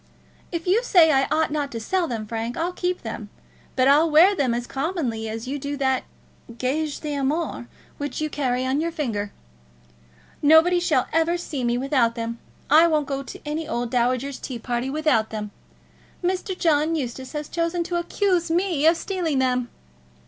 If you say I ought not to sell them, Frank, I'll keep them; but I'll wear them as commonly as you do that gage d'amour which you carry on your finger. Nobody shall ever see me without them. I won't go to any old dowager's tea party without them. Mr. John Eustace has chosen to accuse me of stealing them."